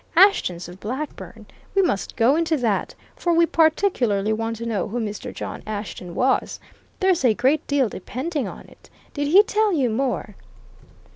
Ashtons of Blackburn? We must go into that. For we particularly want to know who Mr. John Ashton was there's a great deal depending on it. Did he tell you more?"